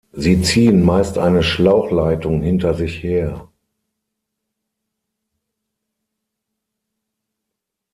Sie ziehen meist eine Schlauchleitung hinter sich her.